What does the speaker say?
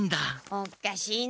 おっかしいな。